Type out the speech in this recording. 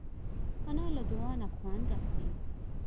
انا له دعا نه خوند اخلي